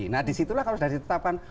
nah di situlah kalau sudah ditetapkan